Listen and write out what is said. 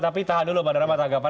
tapi tahan dulu pak darma tanggapan